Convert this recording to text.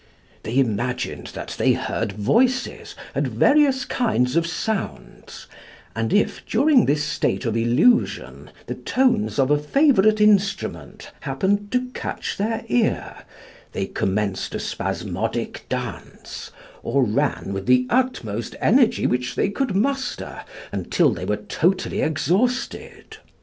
They imagined that they heard voices and various kinds of sounds, and if, during this state of illusion, the tones of a favourite instrument happened to catch their ear, they commenced a spasmodic dance, or ran with the utmost energy which they could muster until they were totally exhausted.